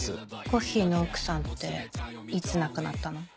コッヒーの奥さんっていつ亡くなったの？